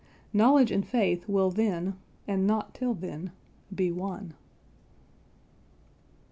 Knowledge and faith will then, and not till then, be one.